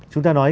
chúng ta nói